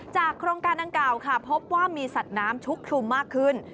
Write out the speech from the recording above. โครงการดังกล่าวค่ะพบว่ามีสัตว์น้ำชุกชุมมากขึ้น